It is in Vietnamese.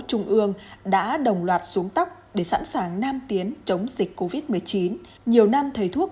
trung ương đã đồng loạt xuống tóc để sẵn sàng nam tiến chống dịch covid một mươi chín nhiều năm thầy thuốc